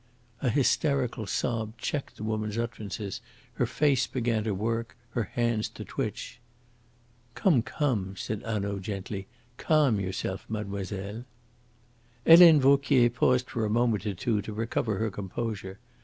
An hysterical sob checked the woman's utterances, her face began to work, her hands to twitch. "Come, come!" said Hanaud gently, "calm yourself, mademoiselle." Helene Vauquier paused for a moment or two to recover her composure.